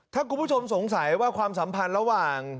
ถ้าคุณผู้ชมสงสัยว่าความสัมพันธ์ระหว่าง